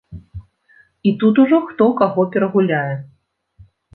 І тут ужо хто каго перагуляе.